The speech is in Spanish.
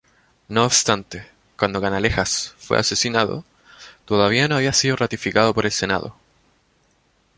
No obstante, cuando Canalejas fue asesinado, todavía no había sido ratificado por el Senado.